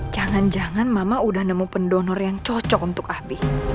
jangan jangan mama udah nemu pendonor yang cocok untuk abi